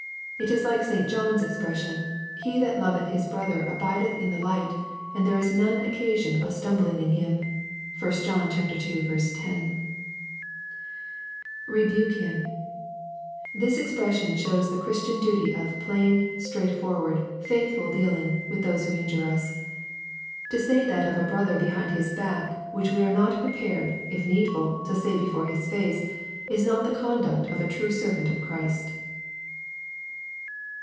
It is like St. John's expression, " he that loveth his brother abideth in the light, and there is none occasion of stumbling in him." (1 John ii. 10.) [EebvJee him.] This expression shows the Christian duty of plain, straightforward, faithful dealing with those who injure us. To say that of a brother behind his back which we are not pre pared, if needful, to say before his face, is not the conduct of a true servant of Christ.